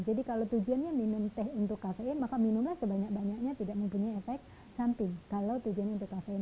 jadi kalau tujuan minum teh untuk kafein maka minumlah sebanyak banyaknya tidak mempunyai efek samping kalau tujuan untuk kafein